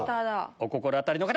お心当たりの方！